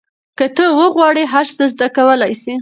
که ته وغواړې هر څه زده کولای سې.